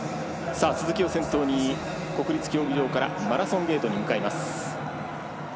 鈴木を先頭に国立競技場からマラソンゲートに向かいます。